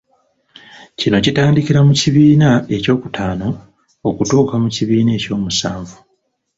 Kino kitandikira mu kibiina ekyokutaano okutuuka mu kibiina eky'omusanvu.